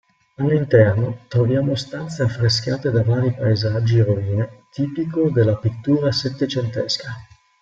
All'interno troviamo stanze affrescate da vari paesaggi e rovine, tipico della pittura settecentesca.